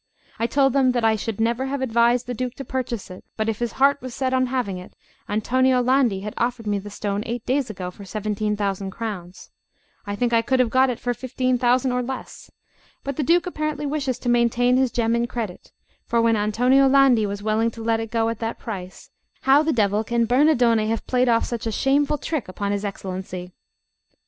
I told them that I should never have advised the Duke to purchase it; but if his heart was set on having it, Antonio Landi had offered me the stone eight days ago for 17,000 crowns. I think I could have got it for 15,000 or less. But the Duke apparently wishes to maintain his gem in credit; for when Antonio Landi was willing to let it go at that price, how the devil can Bernardone have played off such a shameful trick upon his Excellency?